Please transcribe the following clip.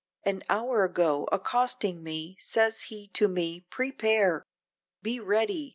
An hour ago, accosting me, says he to me, "Prepare! Be ready!